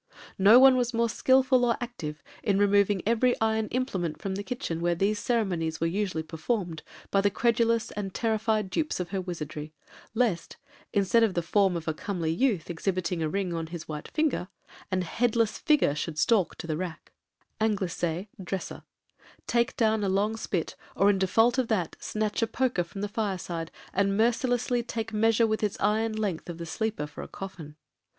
No one was more skilful or active in removing every iron implement from the kitchen where these ceremonies were usually performed by the credulous and terrified dupes of her wizardry, lest, instead of the form of a comely youth exhibiting a ring on his white finger, an headless figure should stalk to the rack, (Anglicè, dresser), take down a long spit, or, in default of that, snatch a poker from the fire side, and mercilessly take measure with its iron length of the sleeper for a coffin.